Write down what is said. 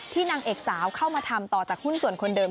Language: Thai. นางเอกสาวเข้ามาทำต่อจากหุ้นส่วนคนเดิม